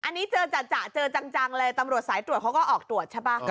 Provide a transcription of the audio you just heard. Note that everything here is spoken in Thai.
อันนี้เจอจ่ะเจอจังเลยตำรวจสายตรวจเขาก็ออกตรวจใช่ป่ะ